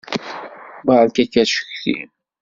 Beṛkat acetki.